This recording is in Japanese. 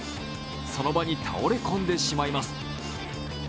その場に倒れ込んでしまいます。